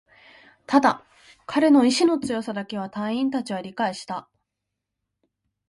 ただ、彼の意志の強さだけは隊員達は理解した